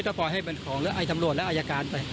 อ้ากระบะทางให้ให้เป็นของเหลือทำรวจและอัยการไป